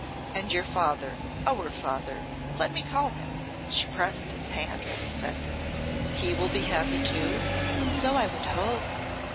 'And your father our father, let me call him [she pressed his hand when he said this] he will be happy too?' 'So I would hope.